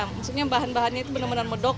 maksudnya bahan bahannya itu bener bener medok